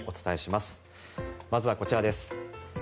まずはこちらです。